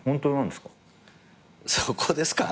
そこですか？